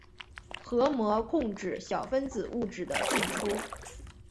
核膜控制小分子物质的进出。